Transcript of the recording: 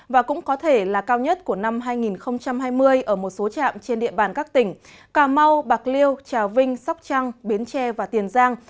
và cũng có thể là cao nhất của năm hai nghìn hai mươi ở một số trạm trên địa bàn các tỉnh cà mau bạc liêu trào vinh sóc trăng bến tre và tiền giang